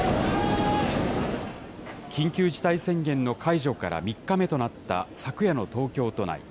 緊急事態宣言の解除から３日目となった昨夜の東京都内。